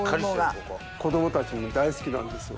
子供たちも大好きなんですよ。